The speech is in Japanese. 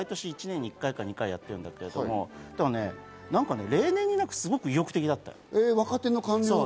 毎年１年に１２回やってるんだけれども、何か例年になく意欲的だった。